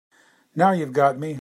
Now you got me.